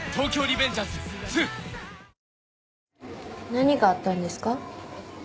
何があったんですか？